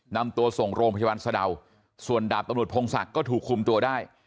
นำตัวส่งโรงพยาบาลสะดาวส่วนดาบตำรวจพงศักดิ์ก็ถูกคุมตัวได้